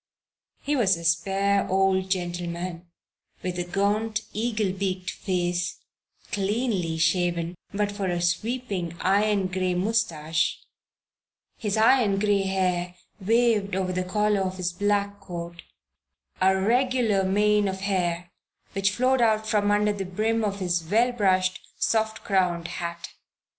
He was a spare old gentleman, with a gaunt, eagle beaked face, cleanly shaven but for a sweeping iron gray mustache, his iron gray hair waved over the collar of his black coat a regular mane of hair which flowed out from under the brim of his well brushed, soft crowned hat.